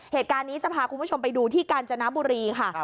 เหตุการณ์นี้จะพาคุณผู้ชมไปดูที่กาญจนบุรีค่ะ